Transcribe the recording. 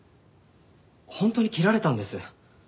本当に切られたんです。